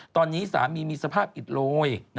ตอนนี้สามีมีสภาพอิดโรย